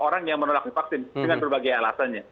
orang yang menerapi vaksin dengan berbagai alasannya